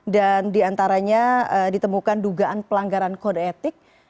dan diantaranya ditemukan dugaan pelanggaran kode etik